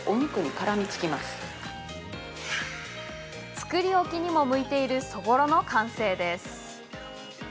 作り置きにも向いているそぼろの完成です。